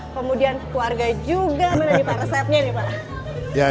keluarga juga menerima resepnya nih pak